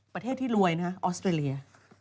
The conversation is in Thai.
ประเทศที่รวยนะออสเตรเลีย